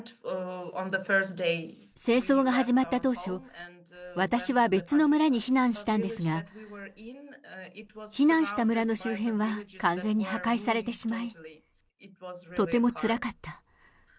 戦争が始まった当初、私は別の村に避難したんですが、避難した村の周辺は完全に破壊されてしまい、とてもつらかった。